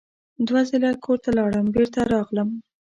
دوه ځله کور ته لاړم بېرته راغلم.